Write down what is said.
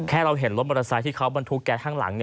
เราเห็นรถมอเตอร์ไซค์ที่เขาบรรทุกแก๊สข้างหลัง